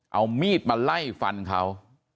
เอามีดมาไล่ฟันเขา